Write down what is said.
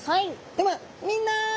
ではみんな！